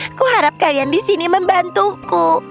aku harap kalian di sini membantuku